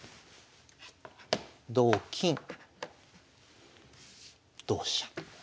同金同飛車。